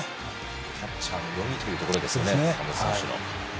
キャッチャーの読みというところですね。